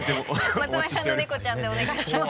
松前さんのネコちゃんでお願いします。